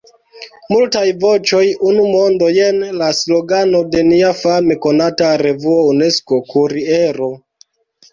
“Multaj voĉoj, unu mondo” – jen la slogano de nia fame konata revuo Unesko-kuriero.